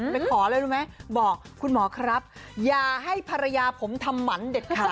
ไปขออะไรรู้ไหมบอกคุณหมอครับอย่าให้ภรรยาผมทำหมันเด็ดขาด